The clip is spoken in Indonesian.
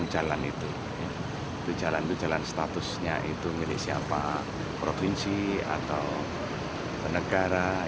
jalan jalan statusnya itu milih siapa